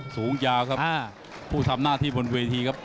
สูงยาวครับผู้ทำหน้าที่บนเวทีครับ